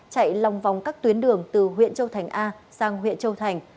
chạy lòng vòng các tuyến đường từ huyện châu thành a sang huyện châu thành